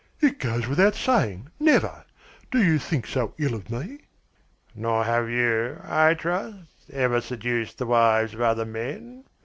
"It goes without saying, never! Do you think so ill of me?" "Nor have you, I trust, ever seduced the wives of other men?"